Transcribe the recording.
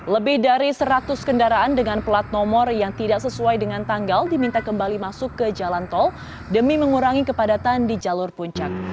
lebih dari seratus kendaraan dengan plat nomor yang tidak sesuai dengan tanggal diminta kembali masuk ke jalan tol demi mengurangi kepadatan di jalur puncak